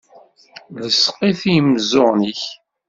Lseq-it i yimeẓẓuɣen-ik!